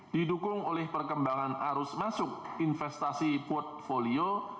didukung oleh perkembangan arus masuk investasi portfolio